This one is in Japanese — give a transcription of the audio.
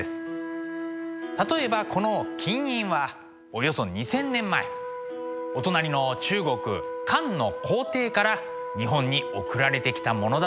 例えばこの金印はおよそ２，０００年前お隣の中国漢の皇帝から日本に送られてきたものだといわれていますね。